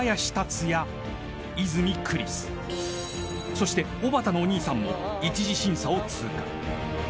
［そしておばたのお兄さんも一次審査を通過］